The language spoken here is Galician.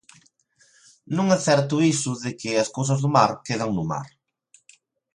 Non é certo iso de que as cousas do mar quedan no mar.